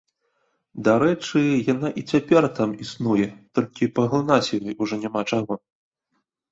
Дарэчы, яна і цяпер там існуе, толькі паглынаць ёй ужо няма чаго.